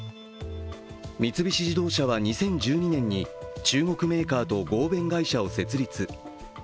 三菱自動車は２０１２年に中国メーカーと合弁会社を設立。